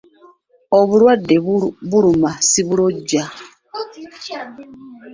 Obulwadde buluma sibulojja.